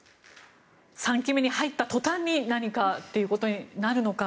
３期目に入った途端に何かっていうことになるのか。